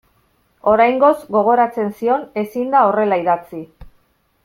Oraingoz, gogoratzen zion, ezin da horrela idatzi.